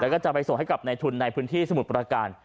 แล้วก็จะไปส่งให้กับในทุนในพื้นที่สมุทรประการ